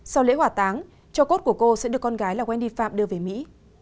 sau lễ hỏa táng cho cốt của cô sẽ được con gái là wendy phạm đưa về mỹ